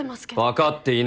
わかっていない。